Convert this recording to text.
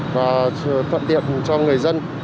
và thuận tiện cho người dân